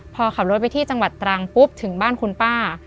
พอขับรถไปที่จังหวัดตรังปุ๊บถึงบ้านคุณป้า